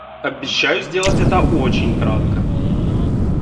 Обещаю сделать это очень кратко.